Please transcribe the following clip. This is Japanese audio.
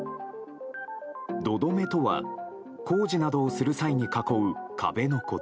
土留めとは工事などをする際に囲う壁のこと。